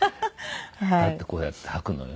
立ってこうやってはくのよ。